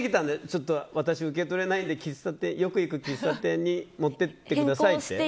ちょっと私、受け取れないのでよく行く喫茶店に持っていってくださいって？